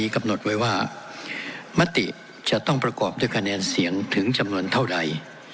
กรอบด้วยคะแนนเสียงถึงจำนวนเท่าไหร่